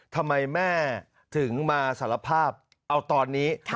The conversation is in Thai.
ทำไมแม่ถึงมาสารภาพเอาตอนนี้